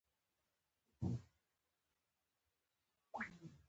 کورس د سالم فکر تولیدوي.